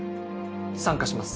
参加します。